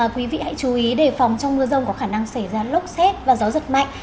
quý vị hãy chú ý đề phòng trong mưa rông có khả năng xảy ra lốc xét và gió giật mạnh